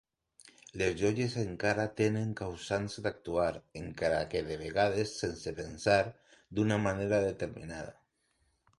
Les joies encara tenen causants d'actuar, encara que de vegades sense pensar, d'una manera determinada.